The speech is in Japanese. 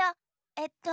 えっと。